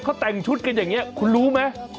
เขาแต่งชุดกันอย่างนี้คุณรู้ไหม